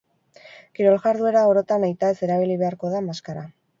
Kirol-jarduera orotan, nahitaez erabili beharko da maskara.